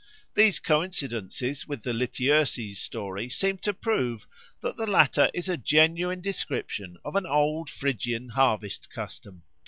These coincidences with the Lityerses story seem to prove that the latter is a genuine description of an old Phrygian harvest custom.